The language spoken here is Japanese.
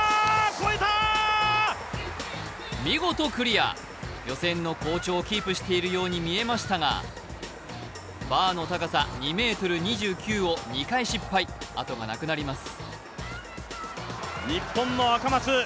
見事クリア、予選の好調をキープしているようにみえましたが、バーの高さ２ｍ２９を２回失敗後がなくなります。